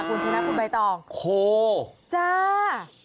คุณชนะคุณใบตองโคจ้า